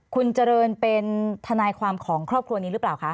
คุณเจริญเป็นทนายความของครอบครัวนี้หรือเปล่าคะ